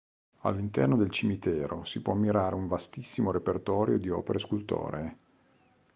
All'interno del cimitero si può ammirare un vastissimo repertorio di opere scultoree.